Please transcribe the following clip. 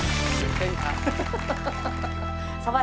ตื่นเต้นครับ